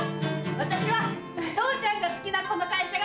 私は父ちゃんが好きなこの会社が